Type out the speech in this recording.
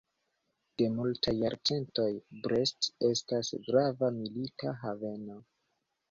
De multaj jarcentoj, Brest estas grava milita haveno.